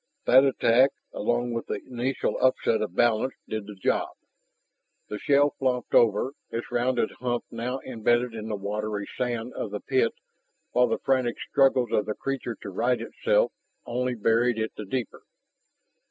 That attack along with the initial upset of balance did the job. The shell flopped over, its rounded hump now embedded in the watery sand of the pit while the frantic struggles of the creature to right itself only buried it the deeper.